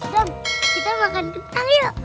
dan kita makan kentang yuk